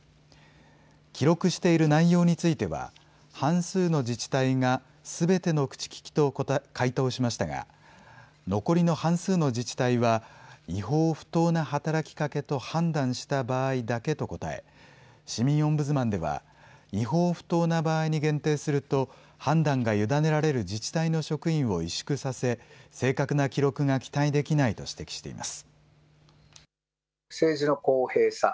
記録している内容については、半数の自治体がすべての口利きと回答しましたが、残りの半数の自治体は、違法、不当な働きかけと判断した場合だけと答え、市民オンブズマンでは、違法、不当な場合に限定すると、判断が委ねられる自治体の職員を萎縮させ、正確な記録が期待できないと指摘しています。